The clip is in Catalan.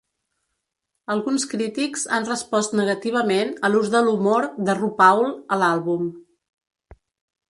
Alguns crítics han respost negativament a l'ús de l'humor de RuPaul a l'àlbum.